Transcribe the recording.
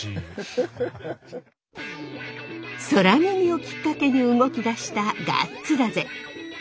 空耳をきっかけに動き出した「ガッツだぜ！！」。